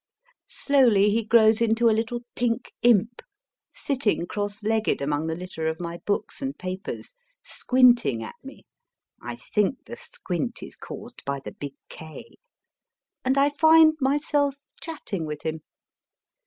Slowly he grows into a little pink imp, sitting cross legged among the litter of my books and papers, squinting at me (I think the squint is caused by the big * K ), and I find myself chatting with him.